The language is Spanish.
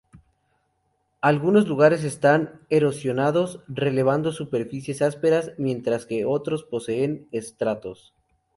Algunos lugares están erosionados, revelando superficies ásperas, mientras que otros poseen estratos.